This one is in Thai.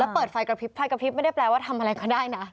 เปิดไฟกระพริบไฟกระพริบไม่ได้แปลว่าทำอะไรก็ได้นะ